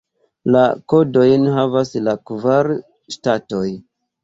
La kodojn havas la kvar ŝtatoj.